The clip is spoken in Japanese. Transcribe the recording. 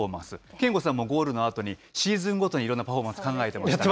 憲剛さんもゴールのあとに、シーズンごとにいろんなパフォーマンスを考えていましたが。